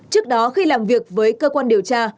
trước đó khi làm việc với cơ quan điều tra